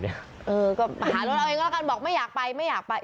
เออก็หารถเอาเองก็แล้วกันบอกไม่อยากไปไม่อยากไป